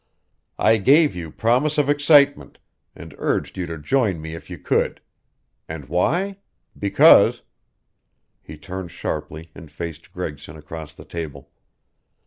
"I gave you promise of excitement, and urged you to join me if you could. And why? Because " He turned sharply, and faced Gregson across the table.